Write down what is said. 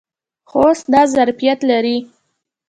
خوست دا ظرفیت لري.